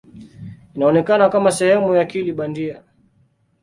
Inaonekana kama sehemu ya akili bandia.